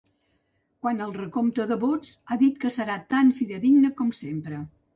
Quant al recompte de vots, ha dit que serà tan fidedigne com sempre.